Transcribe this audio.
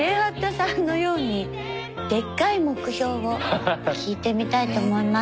さんのようにでっかい目標を聞いてみたいと思います。